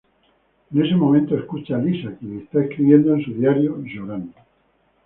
En ese momento escucha a Lisa, quien está escribiendo en su diario, llorando.